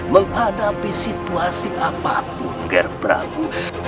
menghadapi situasi apapun ger prabu